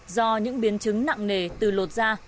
do những biến chứng nặng nề từ luật da